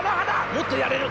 もっとやれる！